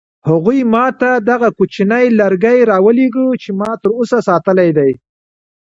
هغوی ما ته دغه کوچنی لرګی راولېږه چې ما تر اوسه ساتلی دی.